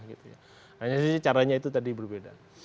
hanya sih caranya itu tadi berbeda